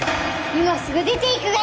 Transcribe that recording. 今すぐ出ていくがよい！